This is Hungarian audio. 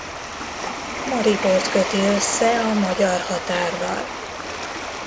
Maribort köti össze a magyar határral.